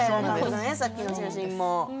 さっきの写真も。